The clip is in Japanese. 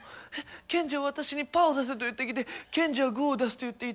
けんじは私にパーを出せと言ってきてけんじはグーを出すと言っていた。